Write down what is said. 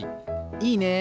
いいね！